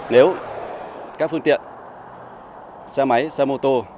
nếu các phương tiện xe máy xe mô tô